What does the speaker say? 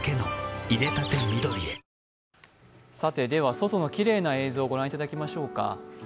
外のきれいな映像を御覧いただきましょうか。